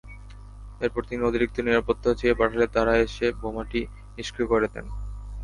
এরপর তিনি অতিরিক্ত নিরাপত্তা চেয়ে পাঠালে তাঁরা এসে বোমাটি নিষ্ক্রিয় করে দেন।